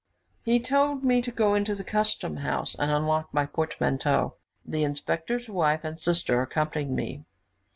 He told me to go into the custom house, and unlock my portmanteau. The inspector's wife and sister accompanied me.